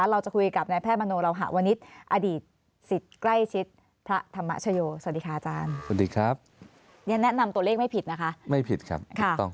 เราจะคุยกับแพทย์บรรโนราวหาวนิต